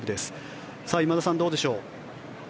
今田さん、どうでしょう。